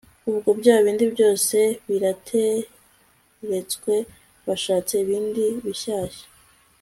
ubwo bya bindi byose birateretswe bashatse ibindi bishyashya